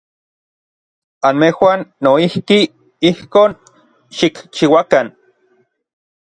Anmejuan noijki ijkon xikchiuakan.